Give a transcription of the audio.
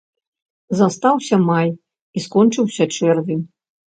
Застаўся май, і скончыўся чэрвень.